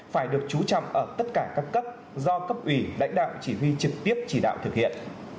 phải được chú trọng ở tất cả các cấp do cấp ủy lãnh đạo chỉ huy trực tiếp chỉ đạo thực hiện